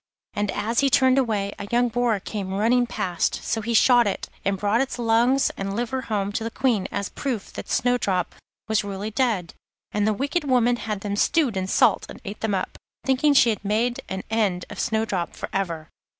And as he turned away a young boar came running past, so he shot it, and brought its lungs and liver home to the Queen as a proof that Snowdrop was really dead. And the wicked woman had them stewed in salt, and ate them up, thinking she had made an end of Snowdrop for ever.